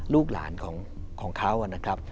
ลูกหลานของเขา